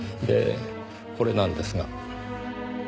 でこれなんですが。